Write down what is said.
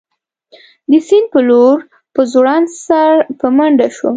د سیند په لور په ځوړند سر په منډه شوم.